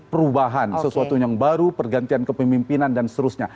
perubahan sesuatu yang baru pergantian kepemimpinan dan seterusnya